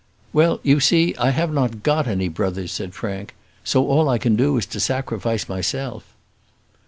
"Well, you see, I have not got any brothers," said Frank; "so all I can do is to sacrifice myself."